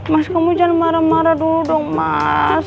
mas kamu jangan marah marah dulu dong mas